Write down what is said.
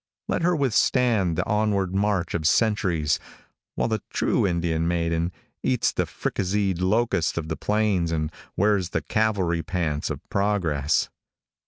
Let her withstand the onward march of centuries while the true Indian maiden eats the fricasseed locust of the plains and wears the cavalry pants of progress.